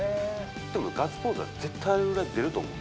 でも、ガッツポーズは絶対出ると思う。